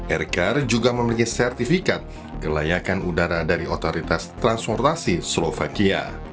aircar juga memiliki sertifikat kelayakan udara dari otoritas transportasi slovakia